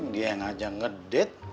dia yang ajang ngedet